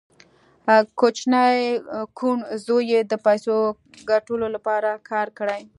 کوچني کوڼ زوی یې د پیسو ګټلو لپاره کار کړی